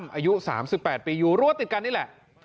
อายุ๓๘ปีอยู่รัวติดกันนี่แหละ